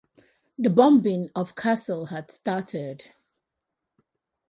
The bombing of Kassel had started.